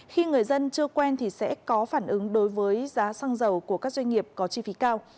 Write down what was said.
khi người dân chưa quen thì sẽ có phản ứng đối với giá xăng dầu của các doanh nghiệp có chi phí cao